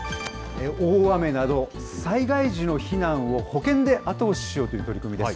大雨など、災害時の避難を保険で後押ししようという取り組みです。